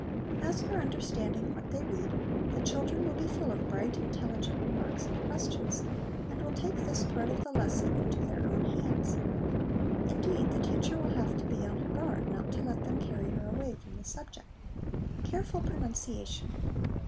As for understanding what they read, the children will be full of bright, intelligent remarks and questions, and will take this part of the lesson into their own hands ; indeed, the teacher will have to be on her guard not to let them carry her away from the subject. Careful Pronunciation.